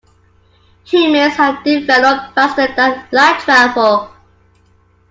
Humans have developed faster-than-light travel.